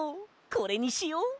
これにしよ！